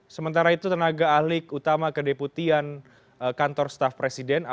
sementara itu tenaga ahli utama kedeputian kantor staf presiden